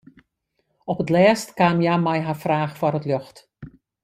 Op 't lêst kaam hja mei har fraach foar it ljocht.